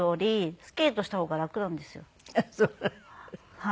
はい。